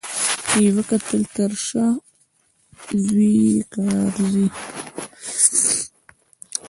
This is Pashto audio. چي یې وکتل تر شا زوی یې کرار ځي